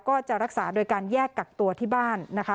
ก็จะรักษาโดยการแยกกักตัวที่บ้านนะคะ